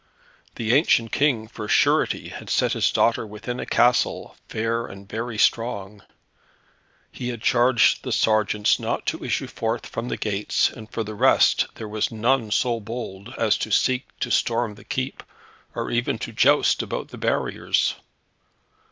The ancient King, for surety, had set his daughter within a castle, fair and very strong. He had charged the sergeants not to issue forth from the gates, and for the rest there was none so bold as to seek to storm the keep, or even to joust about the barriers.